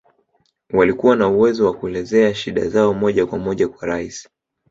Walikuwa na uwezo wa kelezea shida zao moja kwa moja kwa Rais